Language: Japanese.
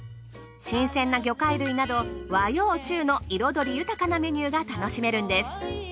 新鮮な魚介類など和洋中の彩り豊かなメニューが楽しめるんです。